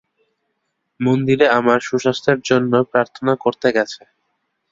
মন্দিরে আমার সুস্বাস্থ্যের জন্য প্রার্থনা করতে গেছ।